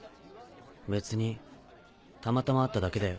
別にたまたま会っただけだよ。